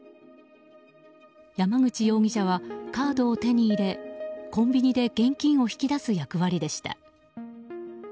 山口容疑者はカードを手に入れコンビニで現金を引き出す役割でした。